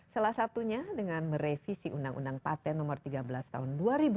salah satunya dengan merevisi undang undang paten nomor tiga belas tahun dua ribu dua